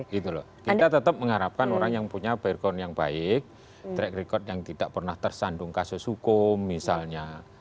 kita tetap mengharapkan orang yang punya background yang baik track record yang tidak pernah tersandung kasus hukum misalnya